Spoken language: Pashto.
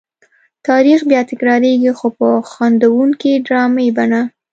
تاریخ بیا تکرارېږي خو په خندوونکې ډرامې بڼه.